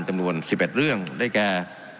จำนวน๑๑เรื่องได้แก่